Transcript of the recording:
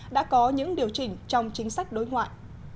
đã có những điều chỉnh trong chính sách đối ngoại